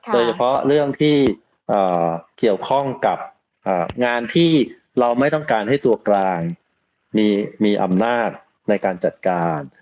โดยเฉพาะเรื่องที่เกี่ยวข้องกับงานที่เราไม่ต้องการให้ตัวกลางมีอำนาจในการจัดการ